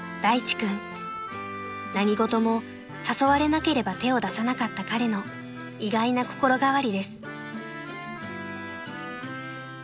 ［何事も誘われなければ手を出さなかった彼の意外な心変わりです］